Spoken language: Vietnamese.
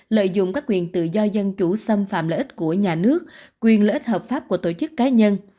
lợi dụng các quyền tự do dân chủ xâm phạm lợi ích của nhà nước quyền lợi ích hợp pháp của tổ chức cá nhân